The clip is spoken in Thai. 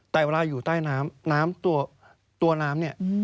แต่เวลาอยู่ใต้น้ำน้ำตัวน้ำเนี่ย